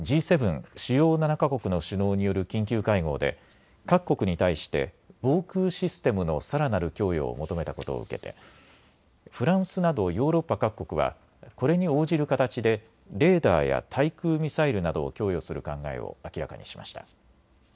主要７か国の首脳による緊急会合で各国に対して防空システムのさらなる供与を求めたことを受けてフランスなどヨーロッパ各国はこれに応じる形でレーダーや対空ミサイルなどを供与する考えを明らかにしました。